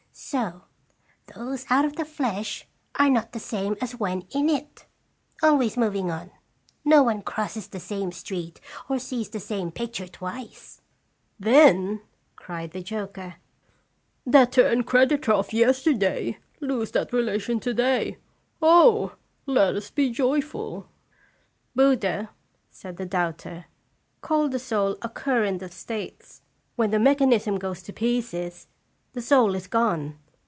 So those out of the flesh are not the same as when in it. Always moving on, no one crosses the same stream or sees the same picture twice." " Then," cried the joker, " debtor and creditor of yesterday lose that relation to day. Owe, let us be joyful!" "Buddha," said the doubter, "called the soul a current of states ; when the mechanism goes to pieces, the soul is gone.